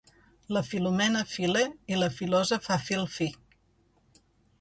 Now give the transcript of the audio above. La Filomena fila i la filosa fa fil fi.